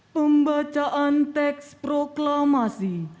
pembacaan teks proklamasi